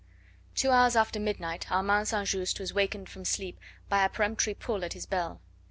Two hours after midnight Armand St. Just was wakened from sleep by a peremptory pull at his bell.